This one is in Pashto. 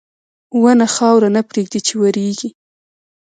• ونه خاوره نه پرېږدي چې وریږي.